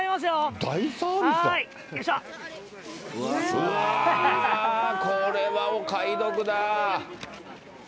うわー、これはお買い得だ。